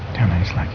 tahanlah isi lagi